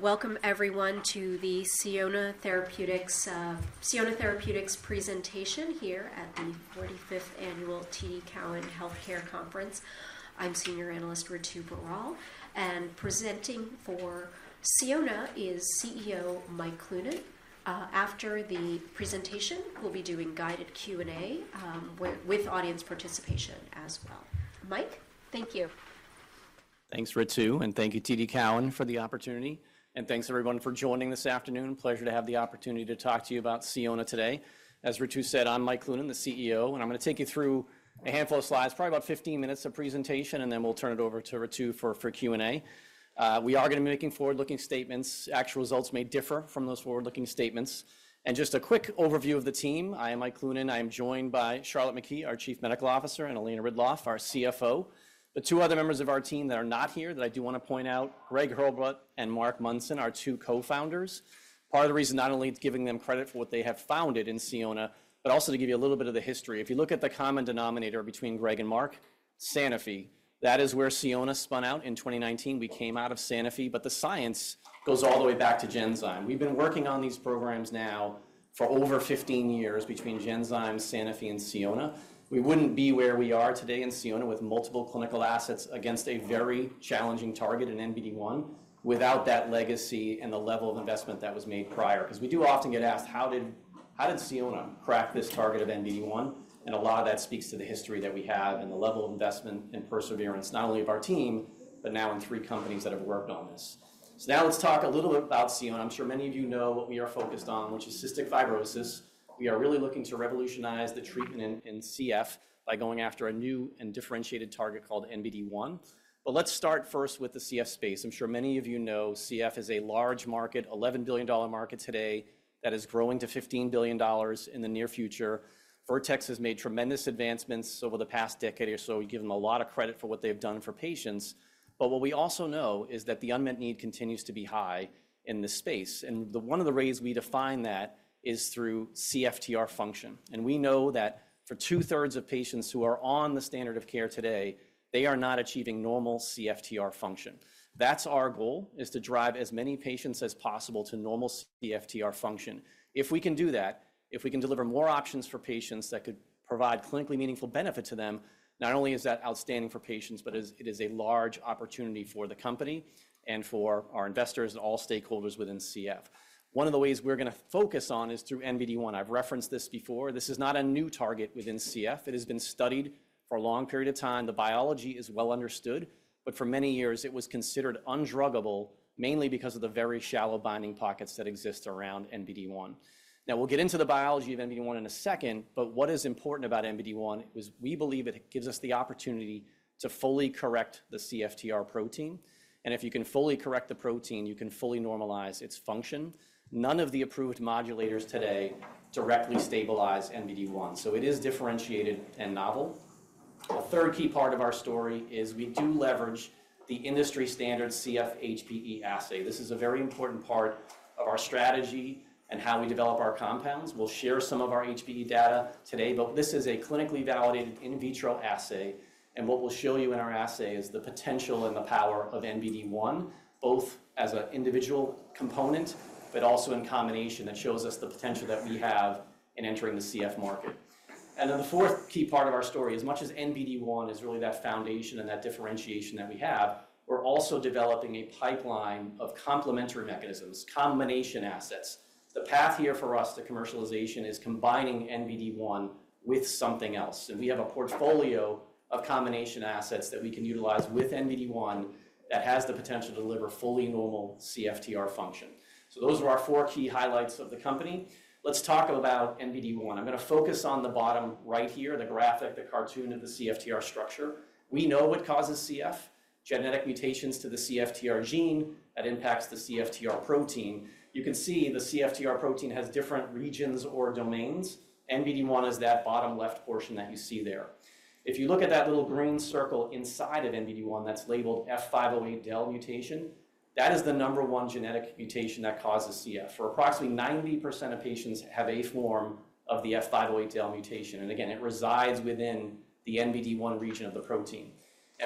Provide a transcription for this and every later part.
Welcome, everyone, to the Sionna Therapeutics presentation here at the 45th Annual TD Cowen Healthcare Conference. I'm Senior Analyst Ritu Baral, and presenting for Sionna is CEO Mike Cloonan. After the presentation, we'll be doing guided Q&A with audience participation as well. Mike, thank you. Thanks, Ritu, and thank you, TD Cowen, for the opportunity. Thanks, everyone, for joining this afternoon. Pleasure to have the opportunity to talk to you about Sionna today. As Ritu said, I'm Mike Cloonan, the CEO, and I'm going to take you through a handful of slides, probably about 15 minutes of presentation, and then we'll turn it over to Ritu for Q&A. We are going to be making forward-looking statements. Actual results may differ from those forward-looking statements. Just a quick overview of the team. I am Mike Cloonan. I am joined by Charlotte McKee, our Chief Medical Officer, and Elena Ridloff, our CFO. The two other members of our team that are not here that I do want to point out, Greg Hurlbut and Mark Munson, our two co-founders, part of the reason not only giving them credit for what they have founded in Sionna, but also to give you a little bit of the history. If you look at the common denominator between Greg and Mark, Sanofi. That is where Sionna spun out in 2019. We came out of Sanofi, but the science goes all the way back to Genzyme. We've been working on these programs now for over 15 years between Genzyme, Sanofi, and Sionna. We wouldn't be where we are today in Sionna with multiple clinical assets against a very challenging target, an NBD1, without that legacy and the level of investment that was made prior. Because we do often get asked, how did Sionna crack this target of NBD1? A lot of that speaks to the history that we have and the level of investment and perseverance, not only of our team, but now in three companies that have worked on this. Now let's talk a little bit about Sionna. I'm sure many of you know what we are focused on, which is cystic fibrosis. We are really looking to revolutionize the treatment in CF by going after a new and differentiated target called NBD1. Let's start first with the CF space. I'm sure many of you know CF is a large market, $11 billion market today, that is growing to $15 billion in the near future. Vertex has made tremendous advancements over the past decade or so. We give them a lot of credit for what they've done for patients. What we also know is that the unmet need continues to be high in this space. One of the ways we define that is through CFTR function. We know that for two-thirds of patients who are on the standard of care today, they are not achieving normal CFTR function. That's our goal, to drive as many patients as possible to normal CFTR function. If we can do that, if we can deliver more options for patients that could provide clinically meaningful benefit to them, not only is that outstanding for patients, but it is a large opportunity for the company and for our investors and all stakeholders within CF. One of the ways we're going to focus on is through NBD1. I've referenced this before. This is not a new target within CF. It has been studied for a long period of time. The biology is well understood. For many years, it was considered undruggable, mainly because of the very shallow binding pockets that exist around NBD1. Now, we'll get into the biology of NBD1 in a second. What is important about NBD1 is we believe it gives us the opportunity to fully correct the CFTR protein. If you can fully correct the protein, you can fully normalize its function. None of the approved modulators today directly stabilize NBD1. It is differentiated and novel. The third key part of our story is we do leverage the industry standard CF hBE assay. This is a very important part of our strategy and how we develop our compounds. We'll share some of our hBE data today, but this is a clinically validated in vitro assay. What we'll show you in our assay is the potential and the power of NBD1, both as an individual component, but also in combination, that shows us the potential that we have in entering the CF market. The fourth key part of our story, as much as NBD1 is really that foundation and that differentiation that we have, we're also developing a pipeline of complementary mechanisms, combination assets. The path here for us to commercialization is combining NBD1 with something else. We have a portfolio of combination assets that we can utilize with NBD1 that has the potential to deliver fully normal CFTR function. Those are our four key highlights of the company. Let's talk about NBD1. I'm going to focus on the bottom right here, the graphic, the cartoon of the CFTR structure. We know what causes CF, genetic mutations to the CFTR gene that impacts the CFTR protein. You can see the CFTR protein has different regions or domains. NBD1 is that bottom left portion that you see there. If you look at that little green circle inside of NBD1 that's labeled F508del mutation, that is the number one genetic mutation that causes CF. For approximately 90% of patients have a form of the F508del mutation. Again, it resides within the NBD1 region of the protein.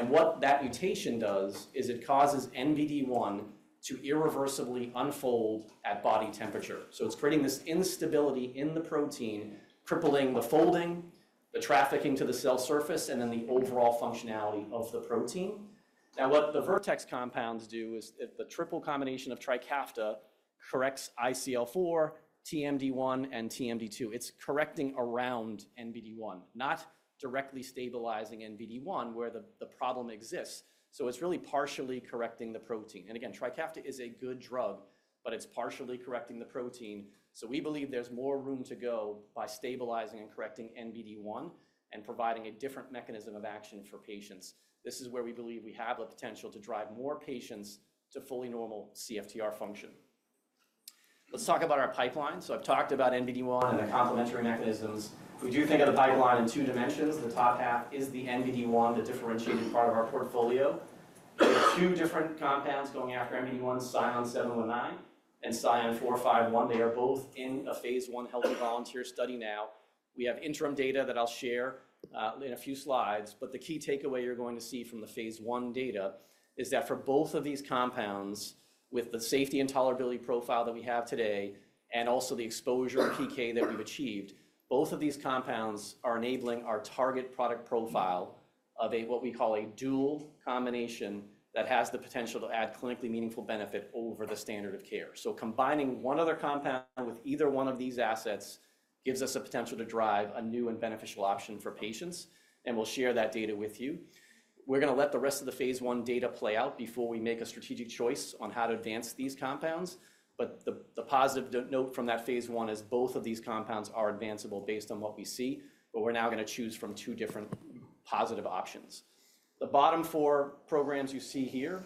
What that mutation does is it causes NBD1 to irreversibly unfold at body temperature. It is creating this instability in the protein, crippling the folding, the trafficking to the cell surface, and then the overall functionality of the protein. Now, what the Vertex compounds do is the triple combination of TRIKAFTA corrects ICL4, TMD1, and TMD2. It's correcting around NBD1, not directly stabilizing NBD1 where the problem exists. It's really partially correcting the protein. TRIKAFTA is a good drug, but it's partially correcting the protein. We believe there's more room to go by stabilizing and correcting NBD1 and providing a different mechanism of action for patients. This is where we believe we have the potential to drive more patients to fully normal CFTR function. Let's talk about our pipeline. I've talked about NBD1 and the complementary mechanisms. We do think of the pipeline in two dimensions. The top half is the NBD1, the differentiated part of our portfolio. There are two different compounds going after NBD1, SION-719 and SION-451. They are both in a phase I healthy volunteer study now. We have interim data that I'll share in a few slides. The key takeaway you're going to see from the phase I data is that for both of these compounds, with the safety and tolerability profile that we have today and also the exposure PK that we've achieved, both of these compounds are enabling our target product profile of what we call a dual combination that has the potential to add clinically meaningful benefit over the standard of care. Combining one other compound with either one of these assets gives us a potential to drive a new and beneficial option for patients. We'll share that data with you. We're going to let the rest of the phase I data play out before we make a strategic choice on how to advance these compounds. The positive note from that phase I is both of these compounds are advanceable based on what we see. We're now going to choose from two different positive options. The bottom four programs you see here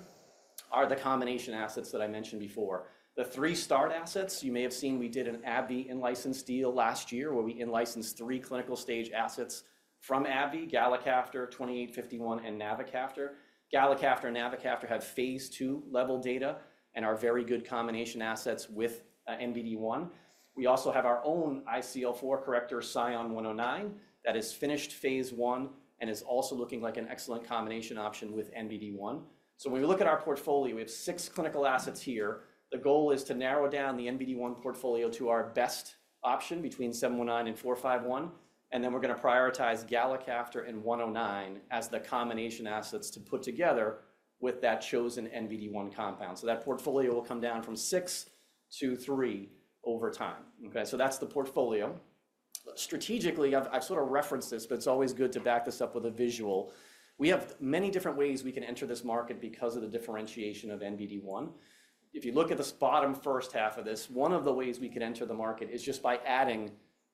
are the combination assets that I mentioned before. The three star assets, you may have seen we did an AbbVie in-license deal last year where we in-licensed three clinical stage assets from AbbVie, galicaftor, SION-2851, and navocaftor. Galicaftor and navocaftor have phase II level data and are very good combination assets with NBD1. We also have our own ICL4 corrector, SION-109, that has finished phase I and is also looking like an excellent combination option with NBD1. When we look at our portfolio, we have six clinical assets here. The goal is to narrow down the NBD1 portfolio to our best option between SION-719 and SION-451. We're going to prioritize galicaftor and SION-109 as the combination assets to put together with that chosen NBD1 compound. That portfolio will come down from six to three over time. That is the portfolio. Strategically, I have sort of referenced this, but it is always good to back this up with a visual. We have many different ways we can enter this market because of the differentiation of NBD1. If you look at the bottom first half of this, one of the ways we can enter the market is just by adding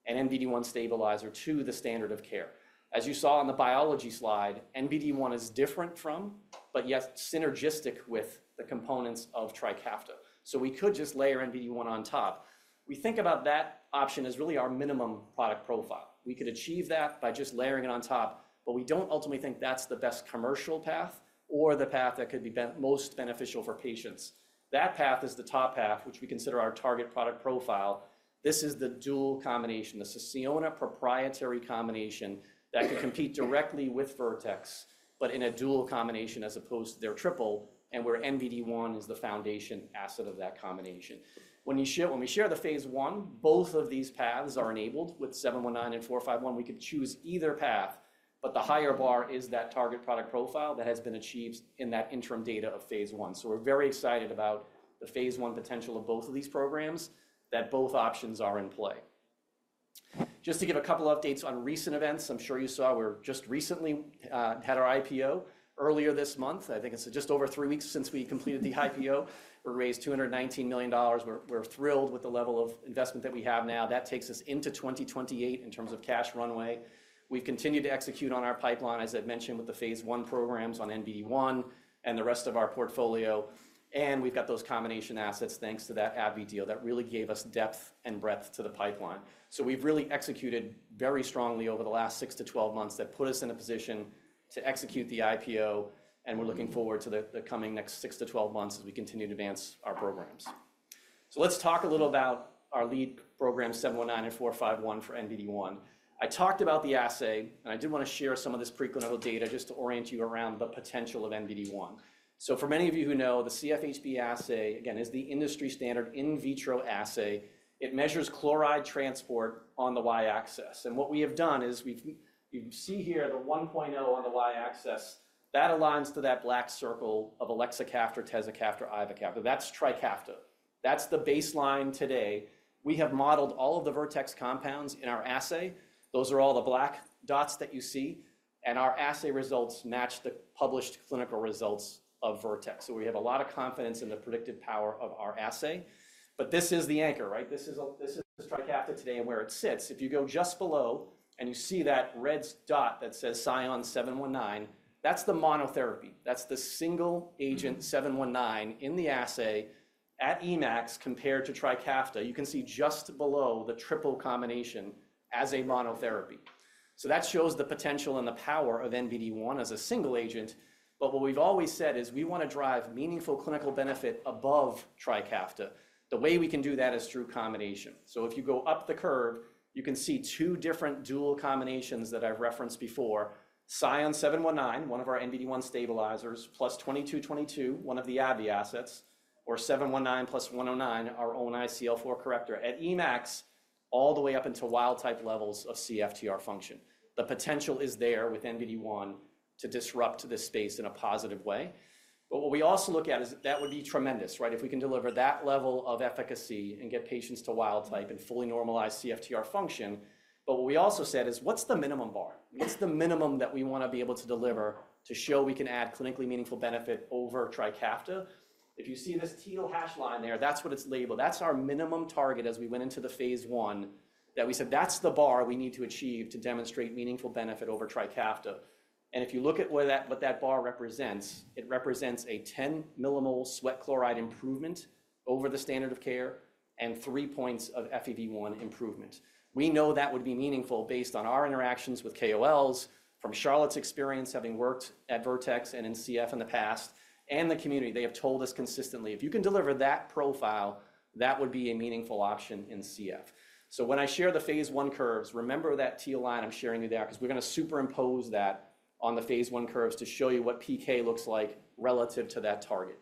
an NBD1 stabilizer to the standard of care. As you saw on the biology slide, NBD1 is different from, but yet synergistic with the components of TRIKAFTA. We could just layer NBD1 on top. We think about that option as really our minimum product profile. We could achieve that by just layering it on top, but we do not ultimately think that is the best commercial path or the path that could be most beneficial for patients. That path is the top path, which we consider our target product profile. This is the dual combination. This is Sionna proprietary combination that can compete directly with Vertex, but in a dual combination as opposed to their triple, and where NBD1 is the foundation asset of that combination. When we share the phase I, both of these paths are enabled with SION-719 and SION-451. We could choose either path, but the higher bar is that target product profile that has been achieved in that interim data of phase I. We are very excited about the phase I potential of both of these programs, that both options are in play. Just to give a couple of updates on recent events, I'm sure you saw we just recently had our IPO earlier this month. I think it's just over three weeks since we completed the IPO. We raised $219 million. We're thrilled with the level of investment that we have now. That takes us into 2028 in terms of cash runway. We've continued to execute on our pipeline, as I've mentioned, with the phase I programs on NBD1 and the rest of our portfolio. We've got those combination assets thanks to that AbbVie deal that really gave us depth and breadth to the pipeline. We've really executed very strongly over the last 6 months-12 months that put us in a position to execute the IPO. We're looking forward to the coming next 6 months-12 months as we continue to advance our programs. Let's talk a little about our lead program, SION-719 and SION-451 for NBD1. I talked about the assay, and I did want to share some of this pre-clinical data just to orient you around the potential of NBD1. For many of you who know, the CFHb assay, again, is the industry standard in vitro assay. It measures chloride transport on the Y-axis. What we have done is we see here the 1.0 on the Y-axis. That aligns to that black circle of elexacaftor, tezacaftor, ivacaftor. That is TRIKAFTA. That is the baseline today. We have modeled all of the Vertex compounds in our assay. Those are all the black dots that you see. Our assay results match the published clinical results of Vertex. We have a lot of confidence in the predicted power of our assay. This is the anchor, right? This is TRIKAFTA today and where it sits. If you go just below and you see that red dot that says SION-719, that is the monotherapy. That is the single agent SION-719 in the assay at Emax compared to TRIKAFTA. You can see just below the triple combination as a monotherapy. That shows the potential and the power of NBD1 as a single agent. What we have always said is we want to drive meaningful clinical benefit above TRIKAFTA. The way we can do that is through combination. If you go up the curve, you can see two different dual combinations that I have referenced before. SION-719, one of our NBD1 stabilizers, plus SION-2222, one of the AbbVie assets, or SION-719 plus SION-109, our own ICL4 corrector at Emax all the way up until wild type levels of CFTR function. The potential is there with NBD1 to disrupt this space in a positive way. What we also look at is that would be tremendous, right? If we can deliver that level of efficacy and get patients to wild type and fully normalize CFTR function. What we also said is, what's the minimum bar? What's the minimum that we want to be able to deliver to show we can add clinically meaningful benefit over TRIKAFTA? If you see this teal hash line there, that's what it's labeled. That's our minimum target as we went into the phase I that we said that's the bar we need to achieve to demonstrate meaningful benefit over TRIKAFTA. If you look at what that bar represents, it represents a 10 mmol/L sweat chloride improvement over the standard of care and three points of FEV1 improvement. We know that would be meaningful based on our interactions with KOLs from Charlotte's experience having worked at Vertex and in CF in the past and the community. They have told us consistently, if you can deliver that profile, that would be a meaningful option in CF. When I share the phase I curves, remember that teal line I'm sharing you there because we're going to superimpose that on the phase I curves to show you what PK looks like relative to that target.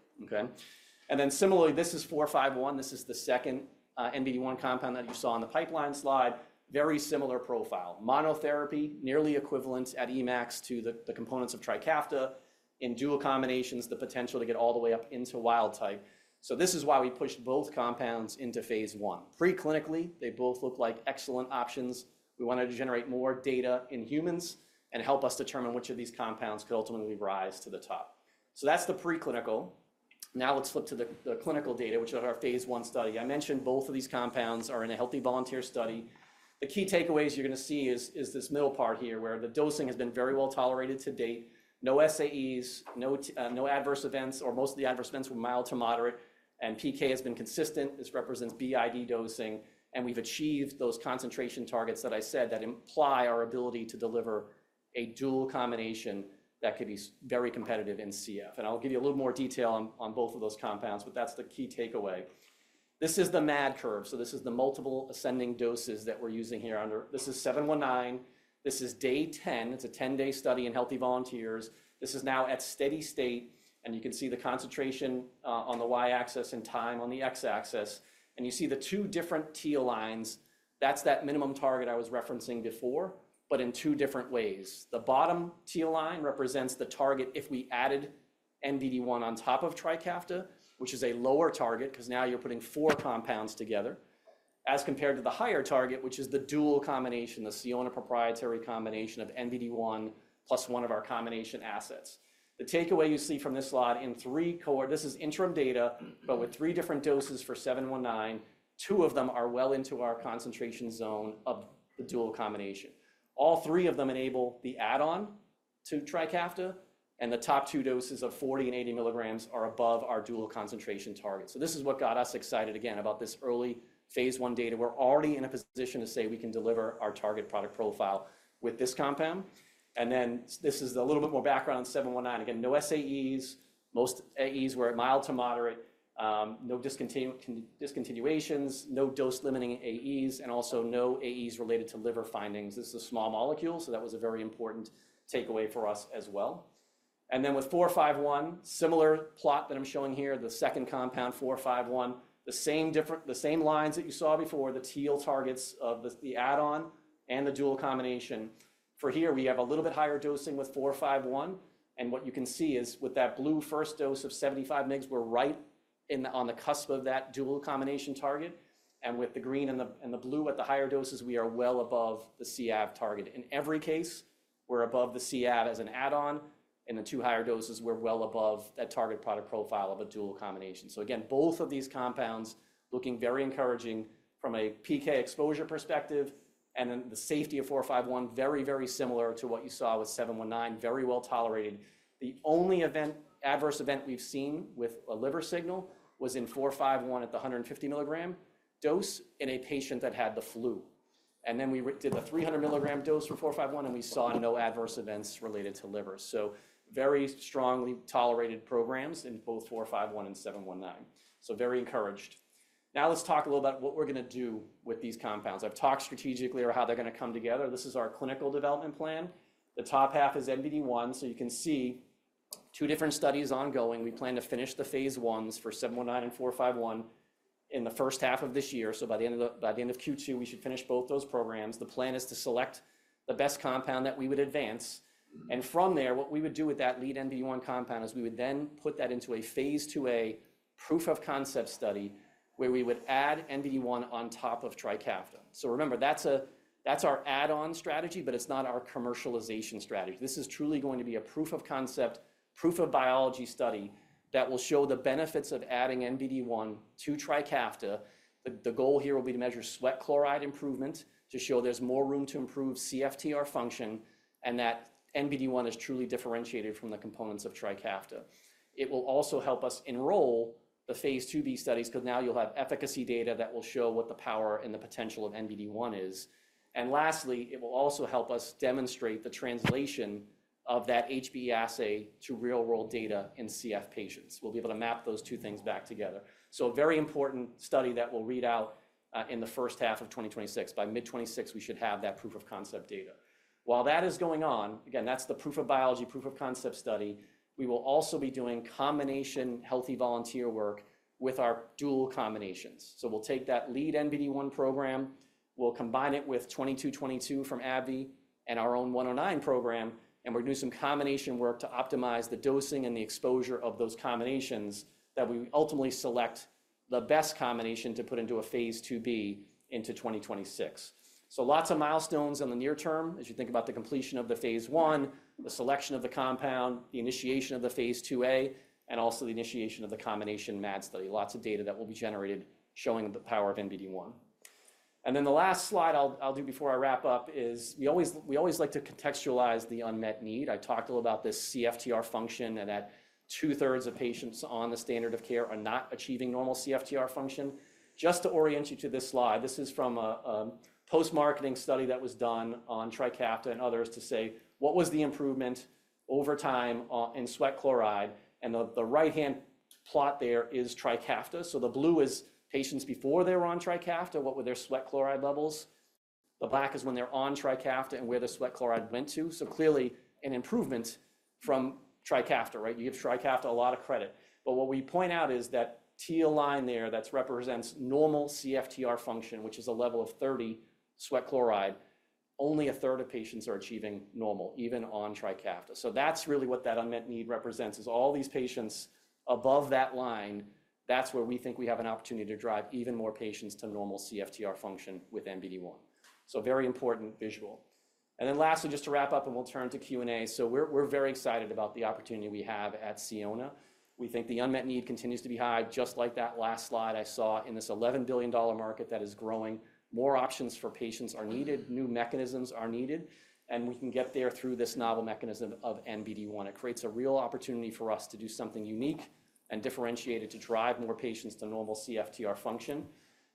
Similarly, this is SION-451. This is the second NBD1 compound that you saw in the pipeline slide. Very similar profile. Monotherapy, nearly equivalent at Emax to the components of TRIKAFTA. In dual combinations, the potential to get all the way up into wild type. This is why we pushed both compounds into phase I. Pre-clinically, they both look like excellent options. We wanted to generate more data in humans and help us determine which of these compounds could ultimately rise to the top. That's the pre-clinical. Now let's flip to the clinical data, which are our phase I study. I mentioned both of these compounds are in a healthy volunteer study. The key takeaways you're going to see is this middle part here where the dosing has been very well tolerated to date. No SAEs, no adverse events, or most of the adverse events were mild to moderate. And PK has been consistent. This represents BID dosing. We've achieved those concentration targets that I said that imply our ability to deliver a dual combination that could be very competitive in CF. I'll give you a little more detail on both of those compounds, but that's the key takeaway. This is the MAD curve. This is the multiple ascending doses that we're using here. This is SION-719. This is day 10. It's a 10-day study in healthy volunteers. This is now at steady state. You can see the concentration on the Y-axis and time on the X-axis. You see the two different teal lines. That is that minimum target I was referencing before, but in two different ways. The bottom teal line represents the target if we added NBD1 on top of TRIKAFTA, which is a lower target because now you are putting four compounds together as compared to the higher target, which is the dual combination, the Sionna proprietary combination of NBD1 plus one of our combination assets. The takeaway you see from this slot in three, this is interim data, but with three different doses for SION-719, two of them are well into our concentration zone of the dual combination. All three of them enable the add-on to TRIKAFTA. The top two doses of 40 mg and 80 mg are above our dual concentration target. This is what got us excited again about this early phase I data. We're already in a position to say we can deliver our target product profile with this compound. This is a little bit more background on SION-719. Again, no SAEs. Most AEs were at mild to moderate. No discontinuations, no dose-limiting AEs, and also no AEs related to liver findings. This is a small molecule, so that was a very important takeaway for us as well. With SION-451, similar plot that I'm showing here, the second compound, SION-451, the same lines that you saw before, the teal targets of the add-on and the dual combination. For here, we have a little bit higher dosing with SION-451. What you can see is with that blue first dose of 75 mg, we're right on the cusp of that dual combination target. With the green and the blue at the higher doses, we are well above the CAV target. In every case, we're above the CAV as an add-on. In the two higher doses, we're well above that target product profile of a dual combination. Both of these compounds are looking very encouraging from a PK exposure perspective. The safety of 451 is very, very similar to what you saw with SION-719, very well tolerated. The only adverse event we've seen with a liver signal was in SION-451 at the 150 mg dose in a patient that had the flu. We did the 300 mg dose for SION-451, and we saw no adverse events related to liver. These are very strongly tolerated programs in both SION-451 and SION-719. I am very encouraged. Now let's talk a little about what we're going to do with these compounds. I've talked strategically around how they're going to come together. This is our clinical development plan. The top half is NBD1. You can see two different studies ongoing. We plan to finish the phase Is for SION-719 and SION-SION-451 in the first half of this year. By the end of Q2, we should finish both those programs. The plan is to select the best compound that we would advance. From there, what we would do with that lead NBD1 compound is we would then put that into a phase II-A proof of concept study where we would add NBD1 on top of TRIKAFTA. Remember, that's our add-on strategy, but it's not our commercialization strategy. This is truly going to be a proof of concept, proof of biology study that will show the benefits of adding NBD1 to TRIKAFTA. The goal here will be to measure sweat chloride improvement to show there's more room to improve CFTR function and that NBD1 is truly differentiated from the components of TRIKAFTA. It will also help us enroll the phase II-B studies because now you'll have efficacy data that will show what the power and the potential of NBD1 is. Lastly, it will also help us demonstrate the translation of that hBE assay to real-world data in CF patients. We'll be able to map those two things back together. A very important study that we'll read out in the first half of 2026. By mid-2026, we should have that proof of concept data. While that is going on, again, that's the proof of biology, proof of concept study. We will also be doing combination healthy volunteer work with our dual combinations. We'll take that lead NBD1 program, we'll combine it with SION-2222 from AbbVie and our own SION-109 program, and we're doing some combination work to optimize the dosing and the exposure of those combinations that we ultimately select the best combination to put into a phase II-B into 2026. Lots of milestones in the near term as you think about the completion of the phase I, the selection of the compound, the initiation of the phase II-A, and also the initiation of the combination MAD. Lots of data that will be generated showing the power of NBD1. The last slide I'll do before I wrap up is we always like to contextualize the unmet need. I talked a little about this CFTR function and that two-thirds of patients on the standard of care are not achieving normal CFTR function. Just to orient you to this slide, this is from a post-marketing study that was done on TRIKAFTA and others to say, what was the improvement over time in sweat chloride? The right-hand plot there is TRIKAFTA. The blue is patients before they were on TRIKAFTA, what were their sweat chloride levels. The black is when they're on TRIKAFTA and where the sweat chloride went to. Clearly, an improvement from TRIKAFTA, right? You give TRIKAFTA a lot of credit. What we point out is that teal line there that represents normal CFTR function, which is a level of 30 sweat chloride, only a third of patients are achieving normal, even on TRIKAFTA. That is really what that unmet need represents is all these patients above that line, that is where we think we have an opportunity to drive even more patients to normal CFTR function with NBD1. Very important visual. Lastly, just to wrap up, and we'll turn to Q&A. We're very excited about the opportunity we have at Sionna. We think the unmet need continues to be high, just like that last slide I saw in this $11 billion market that is growing. More options for patients are needed, new mechanisms are needed, and we can get there through this novel mechanism of NBD1. It creates a real opportunity for us to do something unique and differentiated to drive more patients to normal CFTR function.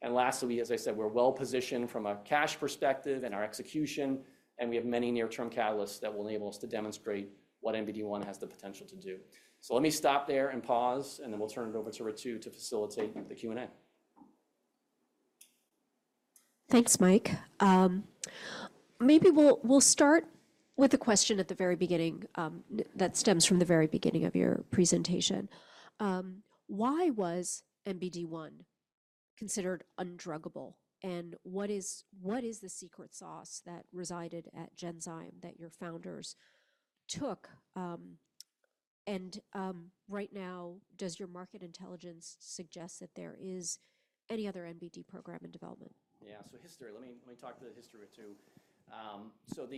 Lastly, as I said, we're well positioned from a cash perspective and our execution, and we have many near-term catalysts that will enable us to demonstrate what NBD1 has the potential to do. Let me stop there and pause, and then we'll turn it over to Ritu to facilitate the Q&A. Thanks, Mike. Maybe we'll start with a question at the very beginning that stems from the very beginning of your presentation. Why was NBD1 considered undruggable? And what is the secret sauce that resided at Genzyme that your founders took? Right now, does your market intelligence suggest that there is any other NBD program in development? Yeah, history. Let me talk to the history of it too.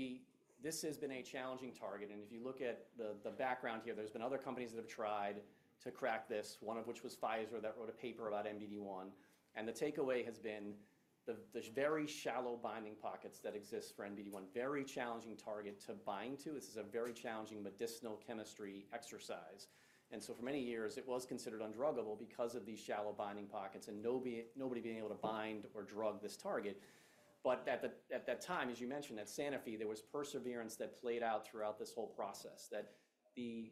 This has been a challenging target. If you look at the background here, there have been other companies that have tried to crack this, one of which was Pfizer that wrote a paper about NBD1. The takeaway has been the very shallow binding pockets that exist for NBD1, very challenging target to bind to. This is a very challenging medicinal chemistry exercise. For many years, it was considered undruggable because of these shallow binding pockets and nobody being able to bind or drug this target. At that time, as you mentioned, at Sanofi, there was perseverance that played out throughout this whole process, that the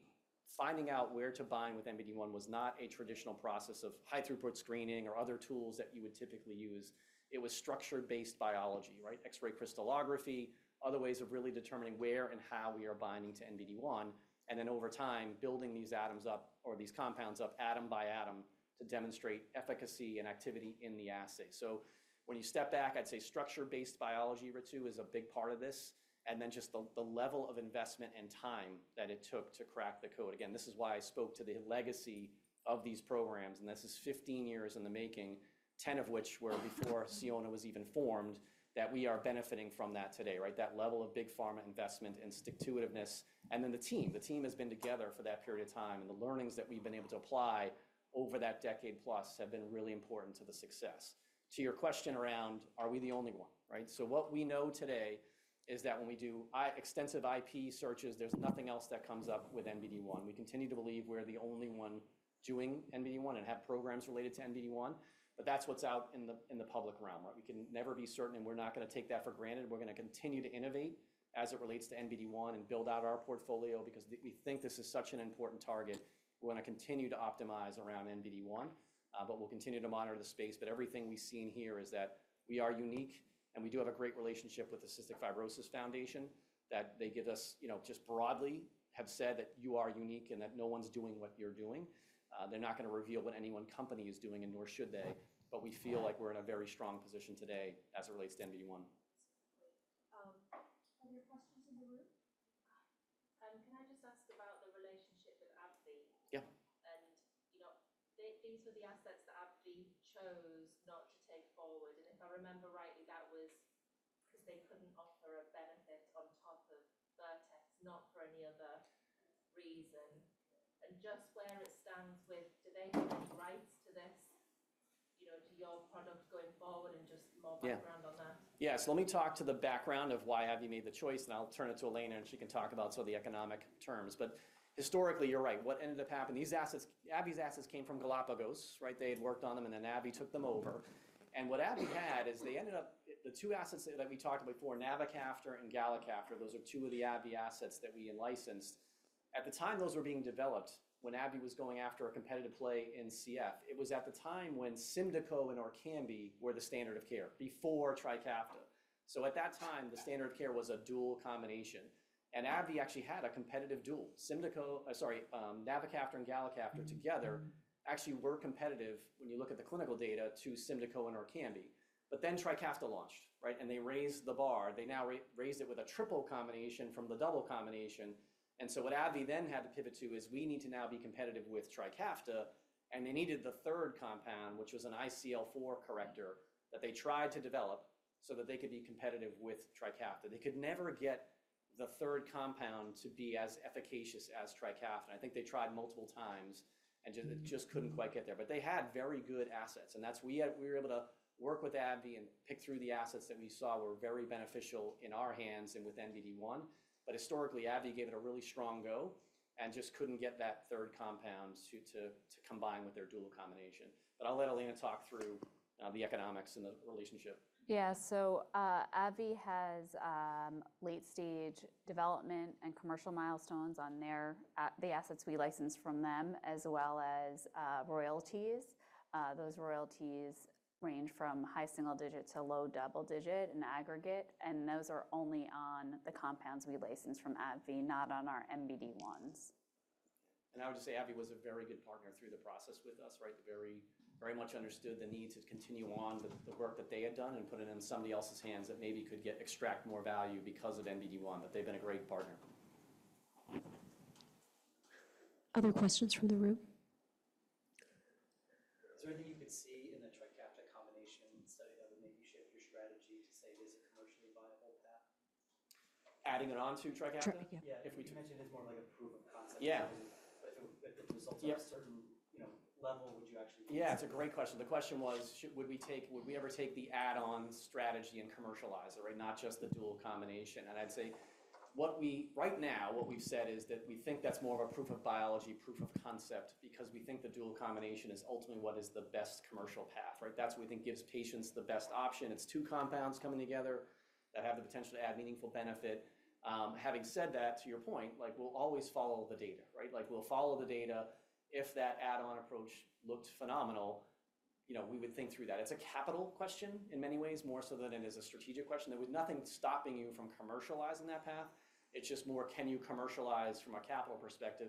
finding out where to bind with NBD1 was not a traditional process of high-throughput screening or other tools that you would typically use. It was structure-based biology, right? X-ray crystallography, other ways of really determining where and how we are binding to NBD1, and then over time, building these atoms up or these compounds up atom by atom to demonstrate efficacy and activity in the assay. When you step back, I'd say structure-based biology, Ritu, is a big part of this, and then just the level of investment and time that it took to crack the code. Again, this is why I spoke to the legacy of these programs, and this is 15 years in the making, 10 of which were before Sionna was even formed, that we are benefiting from that today, right? That level of big pharma investment and stick-to-itiveness, and then the team. The team has been together for that period of time, and the learnings that we've been able to apply over that decade plus have been really important to the success. To your question around, are we the only one, right? What we know today is that when we do extensive IP searches, there's nothing else that comes up with NBD1. We continue to believe we're the only one doing NBD1 and have programs related to NBD1, but that's what's out in the public realm, right? We can never be certain, and we're not going to take that for granted. We're going to continue to innovate as it relates to NBD1 and build out our portfolio because we think this is such an important target. We're going to continue to optimize around NBD1, but we'll continue to monitor the space. Everything we've seen here is that we are unique, and we do have a great relationship with the Cystic Fibrosis Foundation that they give us, just broadly, have said that you are unique and that no one's doing what you're doing. They're not going to reveal what any one company is doing, nor should they, but we feel like we're in a very strong position today as it relates to NBD1. Your questions in the room? Can I just ask about the relationship with AbbVie? Yeah. These were the assets that AbbVie chose not to take forward. If I remember rightly, that was because they could not offer a benefit on top of Vertex, not for any other reason. Just where it stands with, do they have any rights to this, to your product going forward, and just more background on that? Yeah, let me talk to the background of why AbbVie made the choice, and I'll turn it to Elena, and she can talk about some of the economic terms. Historically, you're right, what ended up happening, these assets, AbbVie's assets came from Galapagos, right? They had worked on them, and then AbbVie took them over. What AbbVie had is they ended up, the two assets that we talked about before, navocaftor and galicaftor, those are two of the AbbVie assets that we licensed. At the time those were being developed, when AbbVie was going after a competitive play in CF, it was at the time when Symdeko and Orkambi were the standard of care before TRIKAFTA. At that time, the standard of care was a dual combination. AbbVie actually had a competitive dual. Symdeko, sorry, navocaftor and galicaftor together actually were competitive, when you look at the clinical data, to Symdeko and Orkambi. TRIKAFTA launched, right? They raised the bar. They now raised it with a triple combination from the double combination. What AbbVie then had to pivot to is we need to now be competitive with TRIKAFTA, and they needed the third compound, which was an ICL4 corrector that they tried to develop so that they could be competitive with TRIKAFTA. They could never get the third compound to be as efficacious as TRIKAFTA. I think they tried multiple times and just could not quite get there. But they had very good assets, and that is we were able to work with AbbVie and pick through the assets that we saw were very beneficial in our hands and with NBD1. But historically, AbbVie gave it a really strong go and just could not get that third compound to combine with their dual combination. I will let Elena talk through the economics and the relationship. Yeah, so AbbVie has late-stage development and commercial milestones on the assets we licensed from them, as well as royalties. Those royalties range from high single digit to low double digit in aggregate, and those are only on the compounds we licensed from AbbVie, not on our NBD1s. I would just say AbbVie was a very good partner through the process with us, right? They very much understood the need to continue on with the work that they had done and put it in somebody else's hands that maybe could extract more value because of NBD1, but they've been a great partner. Other questions from the room? Is there anything you could see in the TRIKAFTA combination study that would maybe shift your strategy to say, is it a commercially viable path? Adding it on to TRIKAFTA? Yeah. If we mentioned it's more like a proof of concept. Yeah. If it results at a certain level, would you actually? Yeah, that's a great question. The question was, would we ever take the add-on strategy and commercialize it, right? Not just the dual combination. I'd say right now, what we've said is that we think that's more of a proof of biology, proof of concept, because we think the dual combination is ultimately what is the best commercial path, right? That's what we think gives patients the best option. It's two compounds coming together that have the potential to add meaningful benefit. Having said that, to your point, we'll always follow the data, right? We'll follow the data. If that add-on approach looked phenomenal, we would think through that. It's a capital question in many ways, more so than it is a strategic question. There was nothing stopping you from commercializing that path. It's just more, can you commercialize from a capital perspective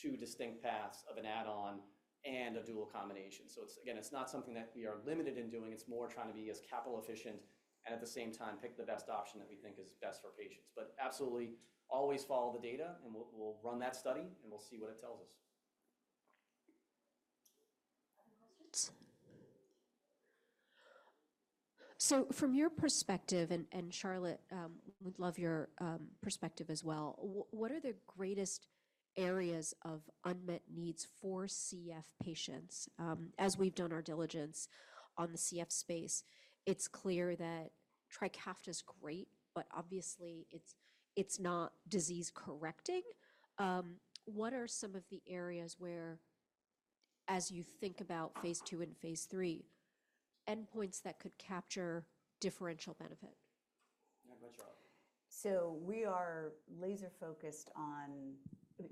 two distinct paths of an add-on and a dual combination? Again, it's not something that we are limited in doing. It's more trying to be as capital efficient and at the same time pick the best option that we think is best for patients. Absolutely, always follow the data, and we'll run that study, and we'll see what it tells us. Other questions? From your perspective, and Charlotte, we'd love your perspective as well, what are the greatest areas of unmet needs for CF patients? As we've done our diligence on the CF space, it's clear that TRIKAFTA is great, but obviously, it's not disease-correcting. What are some of the areas where, as you think about phase II and phase III, endpoints that could capture differential benefit? Go ahead, Charlotte. We are laser-focused on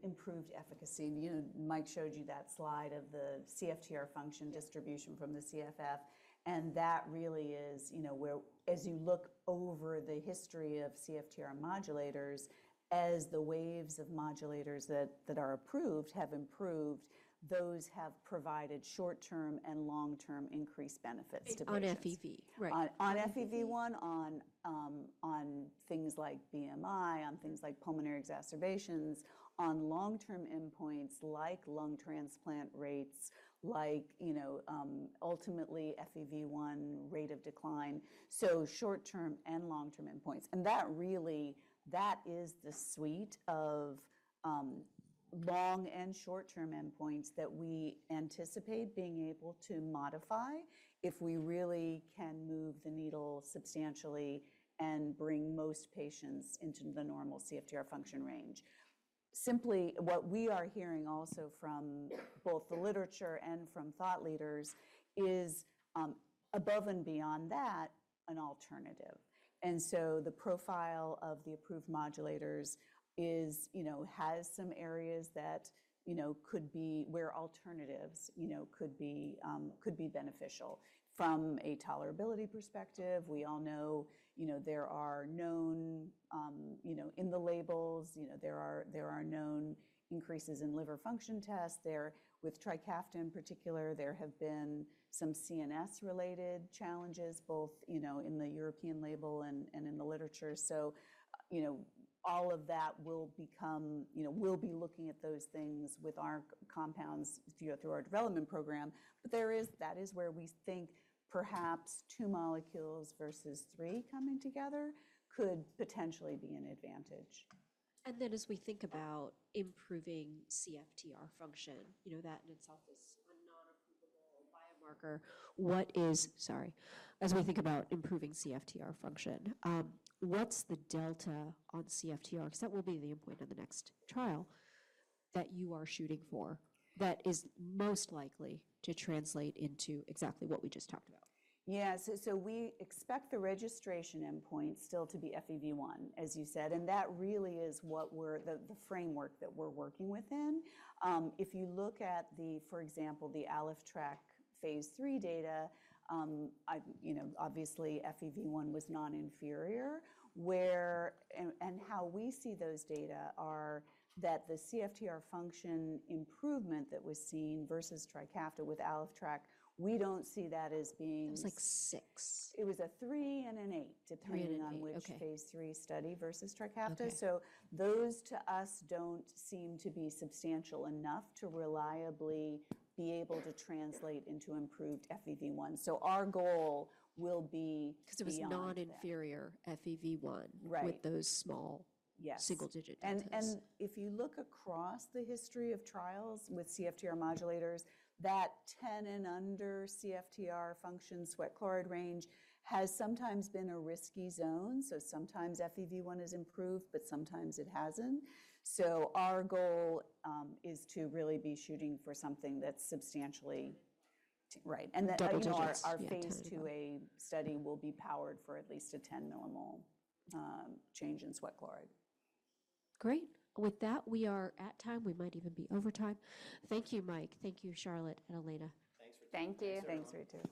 improved efficacy. Mike showed you that slide of the CFTR function distribution from the CFF, and that really is where, as you look over the history of CFTR modulators, as the waves of modulators that are approved have improved, those have provided short-term and long-term increased benefits to patients. On FEV, right? On FEV1, on things like BMI, on things like pulmonary exacerbations, on long-term endpoints like lung transplant rates, like ultimately FEV1 rate of decline. Short-term and long-term endpoints. That really, that is the suite of long and short-term endpoints that we anticipate being able to modify if we really can move the needle substantially and bring most patients into the normal CFTR function range. Simply, what we are hearing also from both the literature and from thought leaders is, above and beyond that, an alternative. The profile of the approved modulators has some areas that could be where alternatives could be beneficial. From a tolerability perspective, we all know there are known in the labels, there are known increases in liver function tests. With TRIKAFTA in particular, there have been some CNS-related challenges, both in the European label and in the literature. All of that will become, we'll be looking at those things with our compounds through our development program. That is where we think perhaps two molecules versus three coming together could potentially be an advantage. As we think about improving CFTR function, that in itself is a non-approvable biomarker. What is, sorry, as we think about improving CFTR function, what's the delta on CFTR? Because that will be the endpoint of the next trial that you are shooting for that is most likely to translate into exactly what we just talked about. Yeah, so we expect the registration endpoint still to be FEV1, as you said, and that really is the framework that we're working within. If you look at, for example, the AlephTrack phase III data, obviously FEV1 was not inferior. How we see those data are that the CFTR function improvement that was seen versus TRIKAFTA with AlephTrack, we don't see that as being. It was like six. It was a three and an eight depending on which phase III study versus TRIKAFTA. Those to us don't seem to be substantial enough to reliably be able to translate into improved FEV1. Our goal will be. Because it was not inferior FEV1 with those small single-digit differences. If you look across the history of trials with CFTR modulators, that 10 and under CFTR function sweat chloride range has sometimes been a risky zone. Sometimes FEV1 has improved, but sometimes it has not. Our goal is to really be shooting for something that is substantially. Right. Our phase II study will be powered for at least a 10 millimole change in sweat chloride. Great. With that, we are at time. We might even be over time. Thank you, Mike. Thank you, Charlotte and Elena. Thanks for talking. Thank you. Thanks, Ritu.